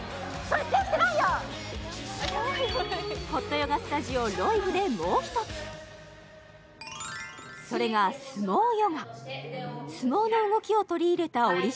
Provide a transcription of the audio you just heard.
ホットヨガスタジオ・ロイブでもう１つそれがおっ！